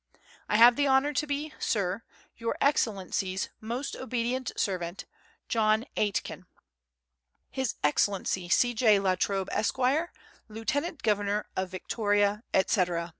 I have the honour to be, Sir, Your Excellency's most obedient servant, JOHN AITKEN. His Excellency C. J. La Trobe, Esq., Lieutenant Governor of Victoria, &c., &c. No. 4=2.